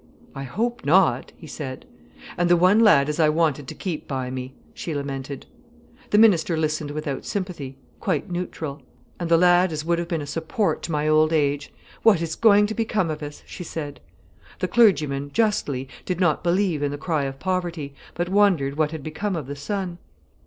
"I hope not," he said. "And the one lad as I wanted to keep by me——" she lamented. The minister listened without sympathy, quite neutral. "And the lad as would have been a support to my old age! What is going to become of us?" she said. The clergyman, justly, did not believe in the cry of poverty, but wondered what had become of the son.